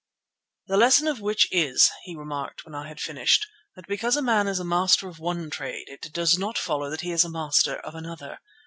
"The lesson of which is," he remarked when I had finished, "that because a man is master of one trade, it does not follow that he is master of another.